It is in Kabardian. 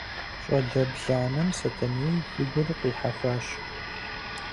Щӏалэ бланэм Сэтэней и гур къихьэхуащ.